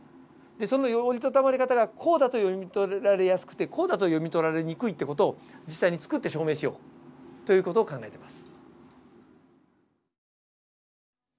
その折りたたまれ方がこうだと読み取られやすくてこうだと読み取られにくいって事を実際に作って証明しようという事を考えてます。